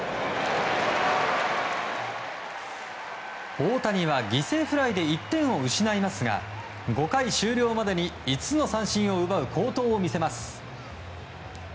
大谷は犠牲フライで１点を失いますが５回終了までに５つの三振を奪う好投を見せます。